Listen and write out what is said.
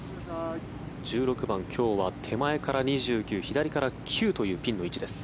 １６番今日は手前から２９左から９というピンの位置です。